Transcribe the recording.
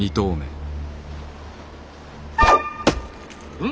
うん？